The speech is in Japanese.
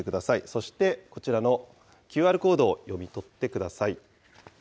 そしてこちらのＱＲコードを読み取ってください。